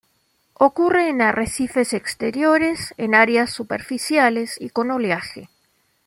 Ocurre en arrecifes exteriores, en áreas superficiales y con oleaje.